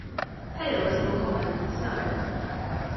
Hail is more common than snow.